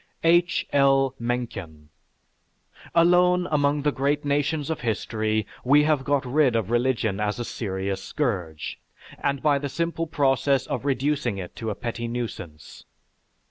H. L. MENCKEN Alone among the great nations of history we have got rid of religion as a serious scourge, and by the simple process of reducing it to a petty nuisance.